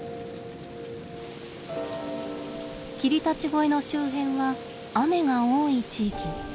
霧立越の周辺は雨が多い地域。